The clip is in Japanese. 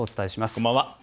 こんばんは。